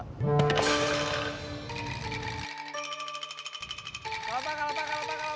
kelapa kelapa kelapa kelapa kelapa